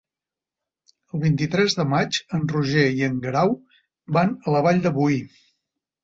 El vint-i-tres de maig en Roger i en Guerau van a la Vall de Boí.